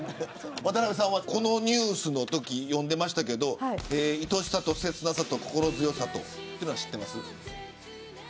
渡邊さんは、このニュースのとき読んでましたけど恋しさとせつなさと心強さとというのは知ってます。